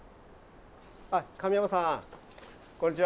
神山さんこんにちは。